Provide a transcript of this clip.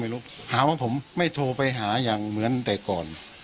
หาว่าผมไม่โทรไปหาอย่างเหมือนแต่ก่อน